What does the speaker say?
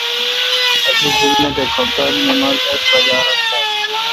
اسے° جمیت اے°کھپتان نماز ایݭٹھ بجا رل بون